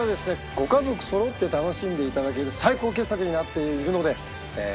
ご家族そろって楽しんで頂ける最高傑作になっているのでぜひご覧ください。